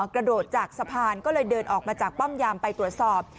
กระโดดจากสะพานก็เลยเดินออกมาจากป้อมยามไปตรวจสอบ